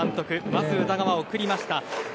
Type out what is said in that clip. まず宇田川を送りました。